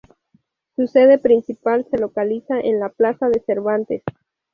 Su sede principal se localiza en la plaza de Cervantes.